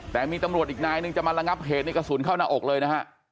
แต่มีตำรวจอีกนายนึงจะมาระงับเหตุในกระสุนเข้าหน้าอกเลยนะฮะ